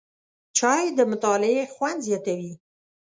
چای د مطالعې خوند زیاتوي